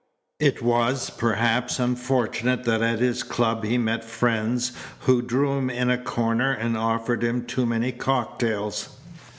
It was, perhaps, unfortunate that at his club he met friends who drew him in a corner and offered him too many cocktails.